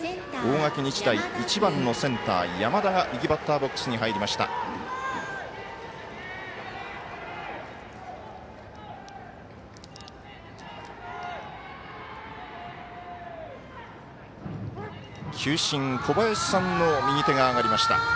大垣日大１番のセンター、山田が右バッターボックスに入りました。